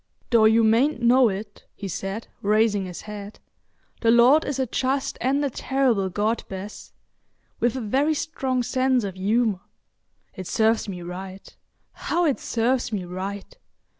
"Though you mayn't know it," he said, raising his head, "the Lord is a just and a terrible God, Bess; with a very strong sense of humour. It serves me right—how it serves me right!